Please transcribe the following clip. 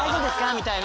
みたいな。